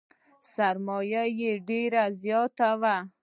سرمایه یې ډېره زیاته وه .